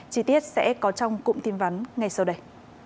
chi tiết sẽ có trong cụm tin vắn ngay sau đây